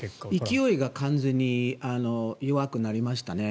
勢いが完全に弱くなりましたね。